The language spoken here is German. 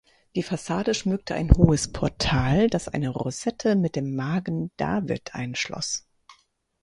Die Fassade schmückte ein hohes Portal, das eine Rosette mit dem Magen David einschloss.